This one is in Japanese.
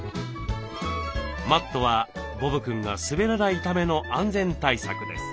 マットはボブくんが滑らないための安全対策です。